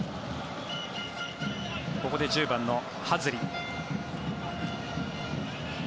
ここで１０番のハズリ。